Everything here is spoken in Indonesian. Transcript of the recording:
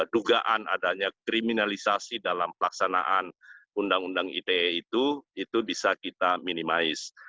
dugaan adanya kriminalisasi dalam pelaksanaan undang undang ite itu itu bisa kita minimalis